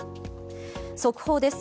速報です。